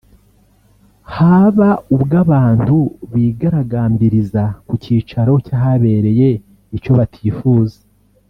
Haba ubwo abantu bigaragambiriza ku cyicaro cy’ahabereye icyo batifuza